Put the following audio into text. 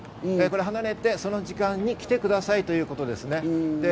離れて、その時間に来てくださいということです。